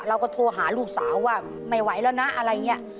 เราก็โทรหาลูกสาวว่าไม่ไหวแล้วนะอะไรอย่างนี้